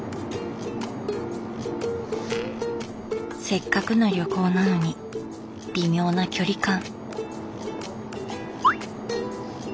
せっかくの旅行なのに微妙な距離感。